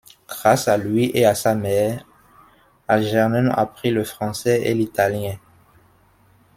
Grâce à lui et à sa mère, Algernon apprit le français et l'italien.